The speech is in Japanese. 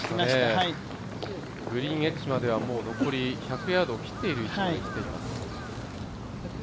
グリーンエッジまでは、もう残り１００ヤード切っている位置です